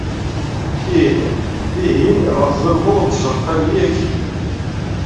Ih! dihin ɣef ẓelmeḍ n tzeqqa-nni akkin.